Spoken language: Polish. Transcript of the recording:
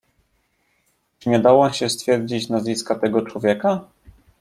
"Czy nie dało się stwierdzić nazwiska tego człowieka?"